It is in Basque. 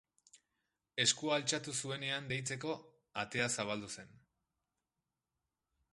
Eskua altxatu zuenean deitzeko, atea zabaldu zen.